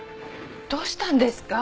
どうしたんですか？